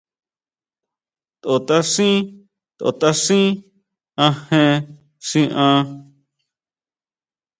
To tʼaxín, to tʼaxín ajen xi an.